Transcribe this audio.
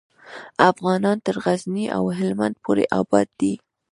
افغانان تر غزني او هیلمند پورې آباد دي.